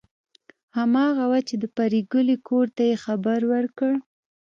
هماغه وه چې د پريګلې کور ته یې خبر ورکړ